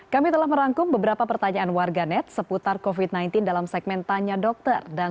kami telah merangkum beberapa pertanyaan warganet seputar covid sembilan belas dalam segmen tanya dokter dan